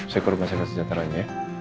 saya ke rumah sakit sejahtera aja ya